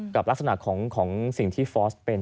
กับลักษณะของสิ่งที่ฟอสเป็น